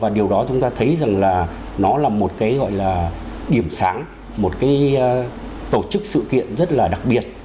điều đó chúng ta thấy rằng là nó là một cái gọi là điểm sáng một cái tổ chức sự kiện rất là đặc biệt